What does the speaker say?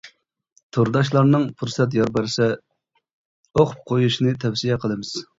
تورداشلارنىڭ پۇرسەت يار بەرسە ئوقۇپ قويۇشىنى تەۋسىيە قىلىمىز.